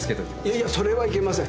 いやいやそれはいけません。